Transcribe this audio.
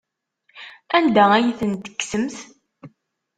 Anda ay tent-tekksemt?